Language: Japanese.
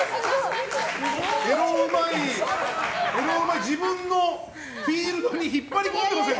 エロうまい自分のフィールドに引っ張り込んでませんか？